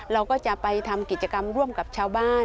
เราก็จะไปทำกิจกรรมร่วมกับชาวบ้าน